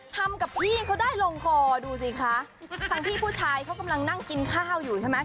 ทำกับพี่เขาได้ลงคอดูสิคะทั้งที่ผู้ชายเขากำลังนั่งกินข้าวอยู่ใช่ไหม